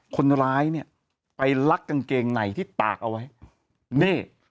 คนร้ายเนี่ยไปลักกางเกงในที่ตากเอาไว้นี่